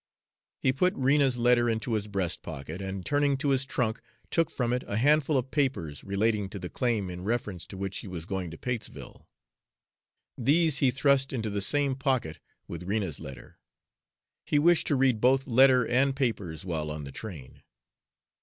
He put Rena's letter into his breast pocket, and turning to his trunk, took from it a handful of papers relating to the claim in reference to which he was going to Patesville. These he thrust into the same pocket with Rena's letter; he wished to read both letter and papers while on the train.